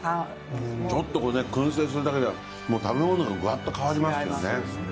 ちょっと燻製するだけで食べ物がぐわっと変わりますよね。